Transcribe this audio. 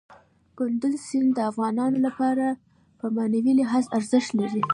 کندز سیند د افغانانو لپاره په معنوي لحاظ ارزښت لري.